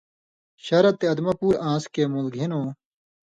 شرطہ تے ادمہ پُور آن٘س کھیں مول گھِنؤں